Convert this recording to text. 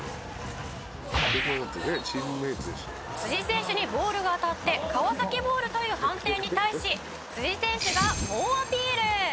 「選手にボールが当たって川崎ボールという判定に対し選手が猛アピール！」